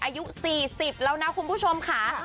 อายุ๔๐แล้วนะคุณผู้ชมค่ะ